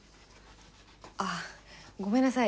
あっごめんなさい。